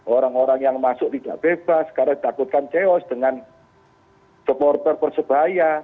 orang orang yang masuk tidak bebas karena takutkan ceos dengan supporter percebaya